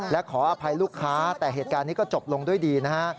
และขออภัยลูกค้าแต่เหตุการณ์นี้ก็จบลงด้วยดีนะฮะ